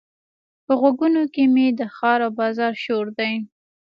په غوږونو کې مې د ښار او بازار شور دی.